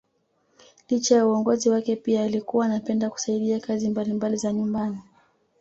Licha ya uongozi wake pia alikuwa anapenda kusaidia kazi mbalimbali za nyumbani